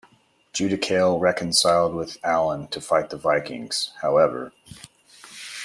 Judicael reconciled with Alan to fight the Vikings, however.